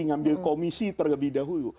ngambil komisi terlebih dahulu